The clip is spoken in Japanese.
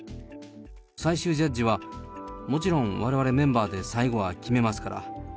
最終ジャッジはもちろん、われわれメンバーで最後は決めますから。